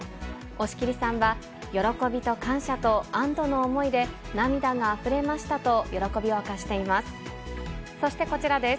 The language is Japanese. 押切さんは、喜びと感謝と安どの思いで、涙があふれましたと、喜びを明かしています。